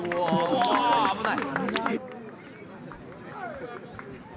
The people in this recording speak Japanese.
・危ない！